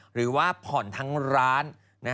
หรือว่าผ่อนทั้งร้าน